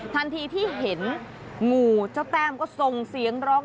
ทันทีที่เห็นงูเจ้าแต้มก็ส่งเสียงร้อง